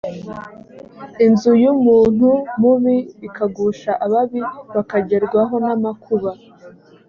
inzu y’umuntu mubi ikagusha ababi bakagerwaho n’amakuba